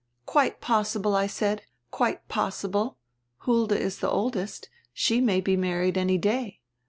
"Quite possible, I said, quite possible; Hulda is die oldest; she may be married any day.